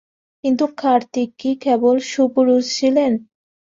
কিন্তু কার্তিক কি কেবল সুপুরুষ ছিলেন?